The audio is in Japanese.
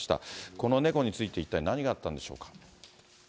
この猫について、一体何があったんでしょうか。